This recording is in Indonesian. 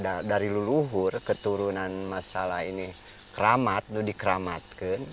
dari leluhur keturunan masalah ini keramat itu dikeramatkan